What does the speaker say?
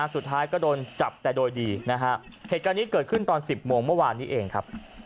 สุดท้ายก็โดนจับแต่โดยดีนะฮะเหตุการณ์นี้เกิดขึ้นตอน๑๐โมงเมื่อวานนี้เองครับ